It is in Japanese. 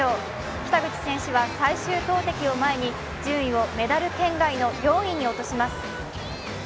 北口選手は最終投てきを前に順位をメダル圏外の４位に落とします。